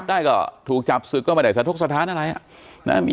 ได้ก็ถูกจับสึกเข้ามาได้สะทุกสถานอะไร